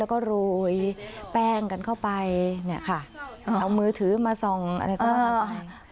แล้วก็โรยแป้งกันเข้าไปเนี่ยค่ะเอามือถือมาส่องอะไรก็ว่ากันไป